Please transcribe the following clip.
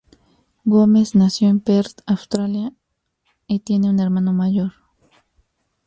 Gomes nació en Perth, Australia, y tiene un hermano mayor.